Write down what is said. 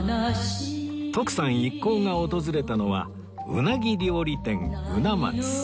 徳さん一行が訪れたのは鰻料理店鰻松